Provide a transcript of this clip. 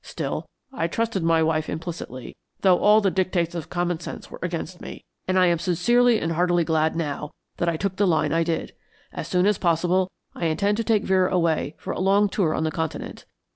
Still, I trusted my wife implicitly, though all the dictates of common sense were against me, and I am sincerely and heartily glad now that I took the line I did. As soon as possible, I intend to take Vera away for a long tour on the Continent.